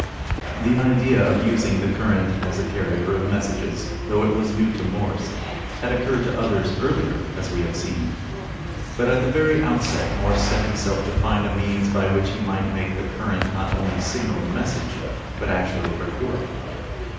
The idea of using the current as a carrier of messages, though it was new to Morse, had occurred to others earlier, as we have seen. But at the very outset Morse set himself to find a means by which he might make the current not only signal the message, but actually record it.